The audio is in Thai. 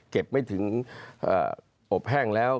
เก็บไม่ถึงอบแห้งแล้ว